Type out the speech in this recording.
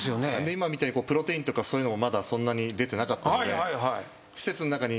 今みたいにプロテインとかそういうのもまだそんなに出てなかったんで。